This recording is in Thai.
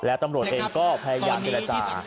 และตำรวจเองก็พยายามเดียวละจ๊ะ